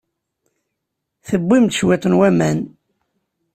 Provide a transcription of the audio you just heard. Tewwim-d cwiṭ n waman.